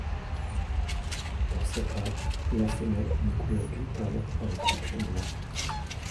Pour sa part, la femelle, de couleur gris pâle, a un croupion blanc.